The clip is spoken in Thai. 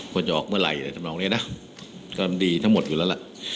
ว่าจะออกเมื่อไหร่อะไรทำนองนี้นะก็ดีทั้งหมดอยู่แล้วล่ะ